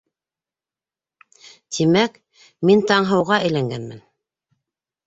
Тимәк, мин Таңһыуға әйләнгәнмен...